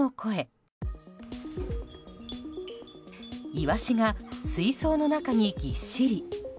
イワシが水槽の中にギッシリ。